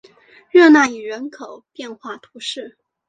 热讷伊人口变化图示